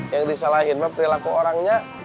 yang disalahin perilaku orangnya